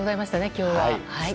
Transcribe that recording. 今日は。